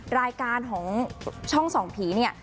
รายการของช่อง๒ผี